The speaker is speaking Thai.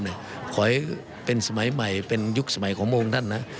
ขอให้เป็นสมัยใหม่เป็นยุคสมัยของพระองค์ท่านนะ